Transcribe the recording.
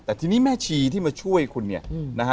แต่ทีนี้แม่ชีที่มาช่วยคุณเนี่ยนะฮะ